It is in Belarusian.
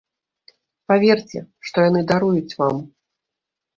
Паверце, што яны даруюць вам.